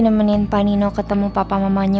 nemenin panino ketemu papa mamanya